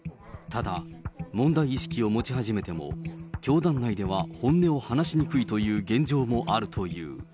ただ、問題意識を持ち始めても教団内では本音を話しにくいという現状もあるという。